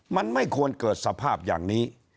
มันไม่ควรเกิดสภาพอย่างนี้